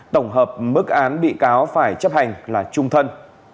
tổng hợp mức án bị cáo phải chấp hành là trung thân